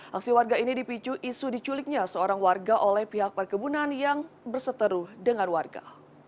aksi warga ini dipicu isu diculiknya seorang warga oleh pihak perkebunan yang berseteru dengan warga